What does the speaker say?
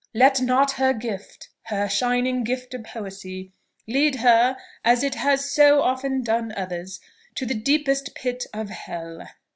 "Let not her gift her shining gift of poesy, lead her, as it has so often done others, to the deepest pit of hell!